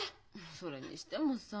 それにしてもさ。